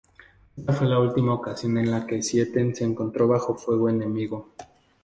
Esta fue la última ocasión en la que Zieten se encontró bajo fuego enemigo.